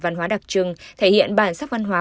văn hóa đặc trưng thể hiện bản sắc văn hóa